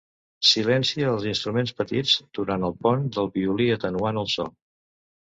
Silencia els instruments petits durant el pont del violí atenuant el so.